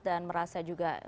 dan merasa juga